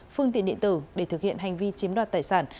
phương tiện điện tử để thực hiện hành vi chiếm đoạt tài sản